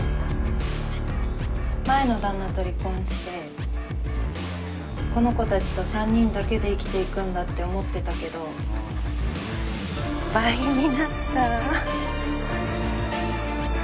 前の旦那と離婚してこの子たちと３人だけで生きていくんだって思ってたけど倍になった。